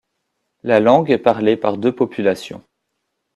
La langue est parlée par deux populations.